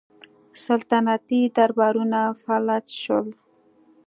سلطنتي دربارونه فلج شول